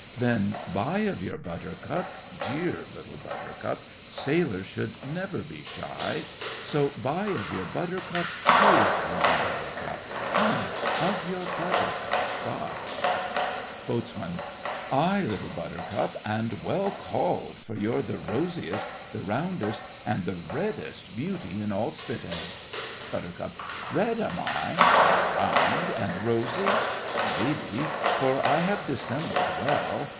Then buy of your Buttercup—dear Little Buttercup; Sailors should never be shy; So, buy of your Buttercup—poor Little Buttercup; Come, of your Buttercup buy! BOAT. Aye, Little Buttercup—and well called—for you're the rosiest, the roundest, and the reddest beauty in all Spithead. BUT. Red, am I? and round—and rosy! Maybe, for I have dissembled well!